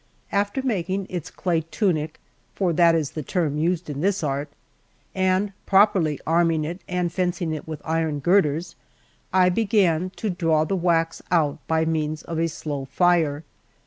After making its clay tunic (for that is the term used in this art) and properly arming it and fencing it with iron girders, I began to draw the wax out by means of a slow fire.